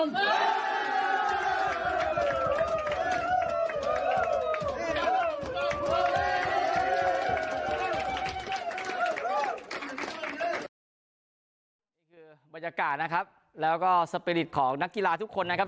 นี่คือบรรยากาศนะครับแล้วก็สปีริตของนักกีฬาทุกคนนะครับ